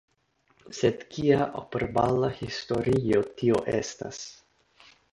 Sed kia operbala historio tio estas?